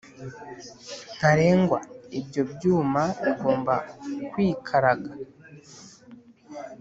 ntarengwa ibyo byuma bigomba kwikaraga